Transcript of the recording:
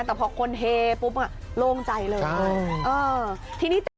แต่พอคนเฮปุ๊บอ่ะโล่งใจเลยอ๋อทีนี้